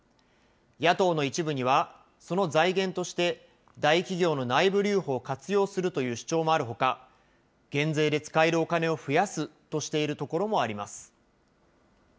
野党の一部には、その財源として大企業の内部留保を活用するという主張もあるほか、減税で使えるお金を増やすとしているところもあります。